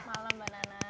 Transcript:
malam mbak nana